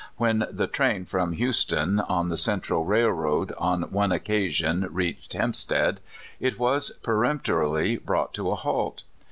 "when the train from Houston, on the Central Railroad, on one occasion reached Hempstead, it was perempto rily brought to a halt.